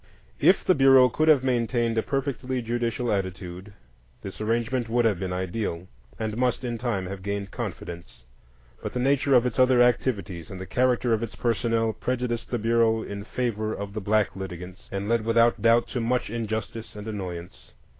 If the Bureau could have maintained a perfectly judicial attitude, this arrangement would have been ideal, and must in time have gained confidence; but the nature of its other activities and the character of its personnel prejudiced the Bureau in favor of the black litigants, and led without doubt to much injustice and annoyance.